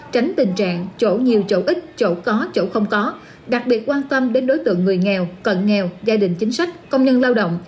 tránh tình trạng chỗ nhiều chỗ ít chỗ có chỗ không có đặc biệt quan tâm đến đối tượng người nghèo cận nghèo gia đình chính sách công nhân lao động